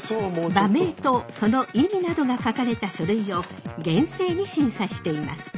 馬名とその意味などが書かれた書類を厳正に審査しています。